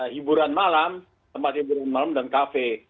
hiburan malam tempat hiburan malam dan kafe